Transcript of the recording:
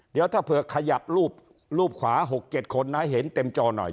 เดี๋ยวถ้าเผื่อขยับรูปขวา๖๗คนนะเห็นเต็มจอหน่อย